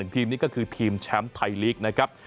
ทีมนี้ก็คือทีมแชมป์ไทยลีกนะครับ